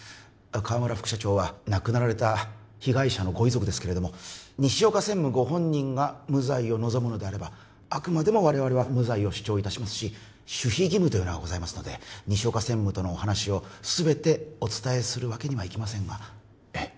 河村副社長は亡くなられた被害者のご遺族ですが西岡専務ご本人が無罪を望むのであればあくまでも我々は無罪を主張いたしますし守秘義務がございますので西岡専務とのお話をすべてお伝えするわけにはいきませんがええ